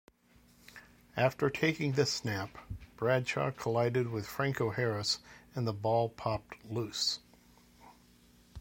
After taking the snap, Bradshaw collided with Franco Harris and the ball popped loose.